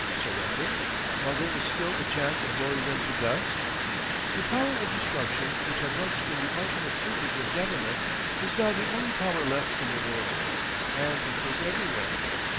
Surrender? While there is still a chance of blowing them to dust? The power of destruction which had once been the ultimate privilege of government was now the only power left in the world—and it was everywhere.